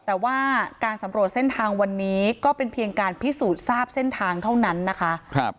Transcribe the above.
แต่ว่าการสำรวจเส้นทางวันนี้ก็เป็นเพียงการพิสูจน์ทราบเส้นทางเท่านั้นนะคะ